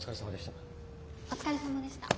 お疲れさまでした。